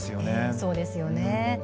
そうですよね。